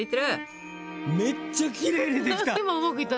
めっちゃきれいにできた！